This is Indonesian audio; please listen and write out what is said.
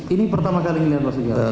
ini pertama kali melihat pak setia rufanto